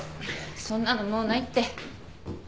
そんなのもうないって。